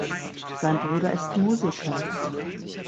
Sein Bruder ist Musiker.